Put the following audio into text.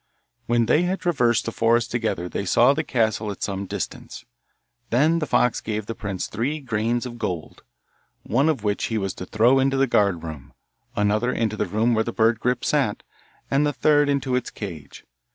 When they had traversed the forest together they saw the castle at some distance. Then the fox gave the prince three grains of gold, one of which he was to throw into the guard room, another into the room where the bird Grip sat, and the third into its cage.